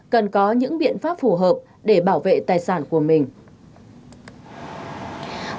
cần có những biện pháp phù hợp để bảo vệ tài sản của mình